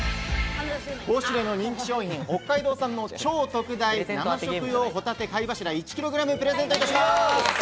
ポシュレの人気商品・北海道産の「超特大生食用ホタテ貝柱１ｋｇ」をプレゼントいたします。